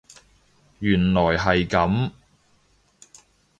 原來係噉